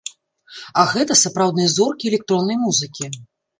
А гэта сапраўдныя зоркі электроннай музыкі!